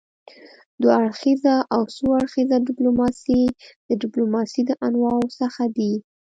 دوه اړخیزه او څو اړخیزه ډيپلوماسي د ډيپلوماسي د انواعو څخه دي.